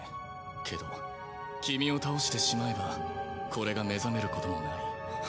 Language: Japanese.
けど君を倒してしまえばこれが目覚めることもない。